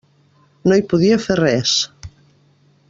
No hi podia fer res.